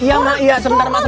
ya mak ya sebentar mak